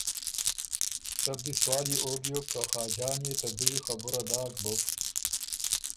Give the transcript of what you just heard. سۀ بی سوال يې او بیوک که خاجان يې ته دُوي خبُره داک بُک۔